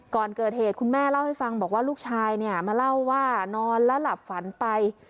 ก่อนเกิดเหตุคุณแม่เล่าให้ฟังบอกว่าลูกชายเนี่ยมาเล่าว่านอนแล้วหลับฝันไป